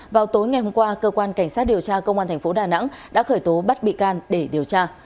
vào tối ngày hôm qua cơ quan cảnh sát điều tra công an thành phố đà nẵng đã khởi tố bắt bị can để điều tra